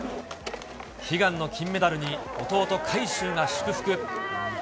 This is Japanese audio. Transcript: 悲願の金メダルに弟、海祝が祝福。